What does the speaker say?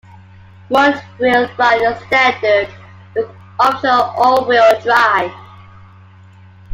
Front-wheel drive is standard, with optional all-wheel drive.